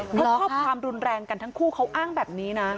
เพราะข้อความรุนแรงกันทั้งคู่เขาอ้างแบบนี้นะ